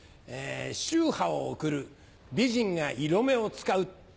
秋波を送る美人が色目を使う。